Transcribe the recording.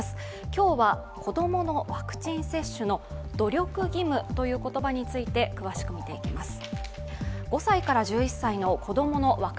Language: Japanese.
今日は子供のワクチン接種の努力義務という言葉について詳しく見ていきます。